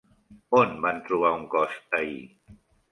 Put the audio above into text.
On van trobar un cos ahir?